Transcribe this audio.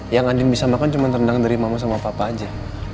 yang anjing bisa makan cuma tendang dari mama sama papa aja